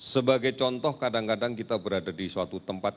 sebagai contoh kadang kadang kita berada di suatu tempat